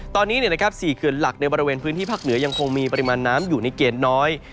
ตอนนี้๔เขื่อนหลักในบริเวณพื้นที่ภาคเหนือยังคงมีปริมาณน้ำอยู่ในเกณฑ์น้อย